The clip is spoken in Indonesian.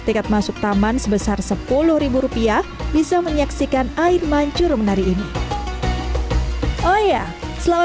tiket masuk taman sebesar sepuluh rupiah bisa menyaksikan air mancur menari ini oh iya selama